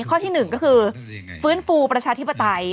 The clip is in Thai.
ข้อที่๑ก็คือฟื้นฟูประชาธิปไตย